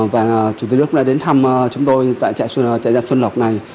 và chủ tịch nước đã đến thăm chúng tôi tại trại dạng xuân lộc này